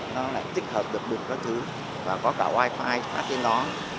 nó lại tích hợp được được các thứ và có cả wi fi phát trên đó